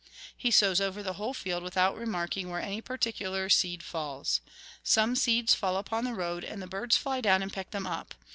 He sows over the whole field, without remarking where any particular seed falls. Some seeds fall upon the road, and the birds fly down and peck them up.